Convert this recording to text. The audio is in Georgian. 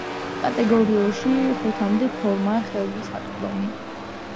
კატეგორიაში ხუთამდე ფორმაა ხელმისაწვდომი.